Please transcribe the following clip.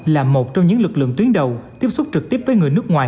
là một trong những lực lượng tuyến đầu tiếp xúc trực tiếp với người nước ngoài